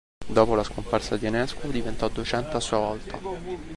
Dopo la scomparsa di Enescu diventò docente a sua volta.